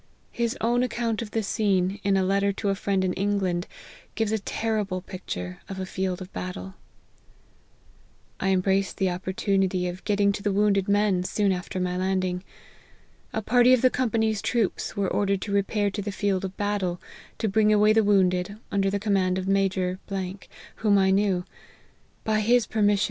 His own account of the scene, in a letter to a friend in England, gives a terrible picture of a field of battle. " I embraced the opportunity of getting to the wounded men, soon after my landing. A party of the company's troops were ordered to repair to the field of battle, to bring away the wounded, under the command of Major , whom I knew. By his permission